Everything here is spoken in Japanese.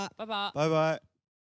バイバイ！